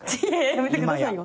やめてくださいよ。